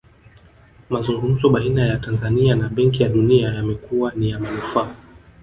Mazungumzo baina ya Tanzania na benki ya dunia yamekuwa ni ya manufaa